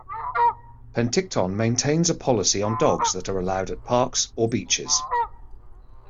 Penticton maintains a policy on dogs that are allowed at parks or beaches.